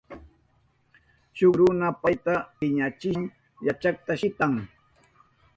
Shuk runa payta piñachishpan yachakka shitan.